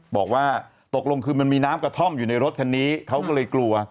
บอกว่าตกลงคือมันมีน้ำกระท่อมอยู่ในรถคันนี้เขาก็เลยกลัว